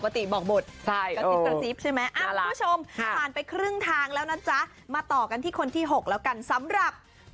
ติดใจมากกันไม่แต่เมื่อวานเขาลอง